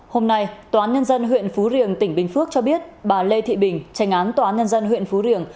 hôm nay tòa án nhân dân huyện phú riềng tỉnh bình phước cho biết bà lê thị bình tranh án tòa án nhân dân huyện phú riềng